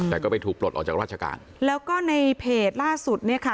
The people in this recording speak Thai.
แต่ก็ไปถูกปลดออกจากราชการแล้วก็ในเพจล่าสุดเนี่ยค่ะ